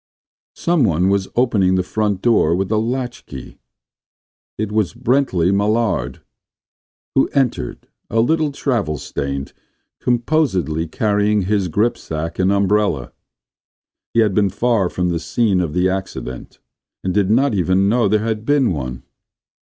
Someone was opening the front door with a latchkey. It was Brently Mallard who entered, a little travel stained, composedly carrying his grip sack and umbrella. He had been far from the scene of the accident, and did not even know there had been one.